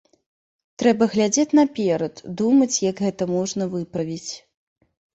Трэба глядзець наперад, думаць, як гэта можна выправіць.